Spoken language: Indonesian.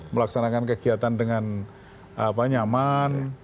melaksanakan kegiatan dengan nyaman